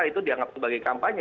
itu dianggap sebagai kampanye